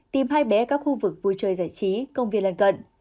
tìm hai bé các khu vực vui chơi giải trí công viên lần cận